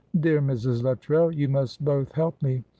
"Dear Mrs. Luttrell, you must both help me.